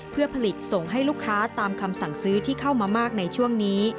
เพื่อผลิตส่งให้ลูกค้าตามคำสั่งซื้อที่เข้ามามากในช่วงนี้